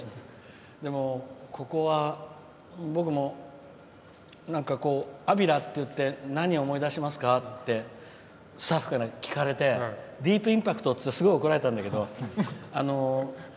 ここは僕も「安平っていって何を思い出しますか？」ってスタッフから聞かれてディープインパクトって言ってすごい怒られたんだけど。